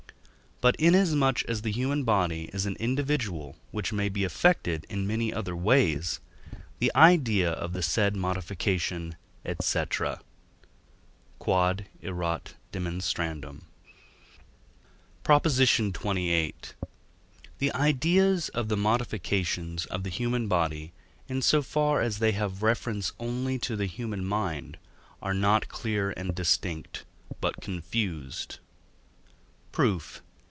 But, inasmuch as the human body is an individual which may be affected in many other ways, the idea of the said modification, &c. Q.E.D. PROP. XXVIII. The ideas of the modifications of the human body, in so far as they have reference only to the human mind, are not clear and distinct, but confused. Proof.